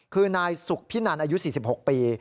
คือนายสุขพินันอายุ๔๖ปี